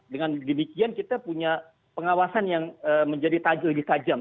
dengan demikian kita punya pengawasan yang menjadi lebih tajam